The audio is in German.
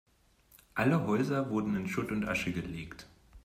Alle Häuser wurden in Schutt und Asche gelegt.